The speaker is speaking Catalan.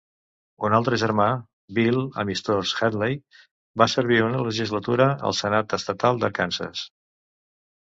Un altre germà, Bill "Amistós" Henley, va servir una legislatura al Senat Estatal d'Arkansas.